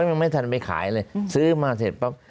ยังไม่ทันไปขายเลยซื้อมาเสร็จปั๊บ